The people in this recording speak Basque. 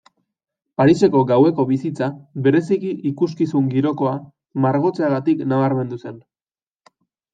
Pariseko gaueko bizitza, bereziki ikuskizun-girokoa, margotzeagatik nabarmendu zen.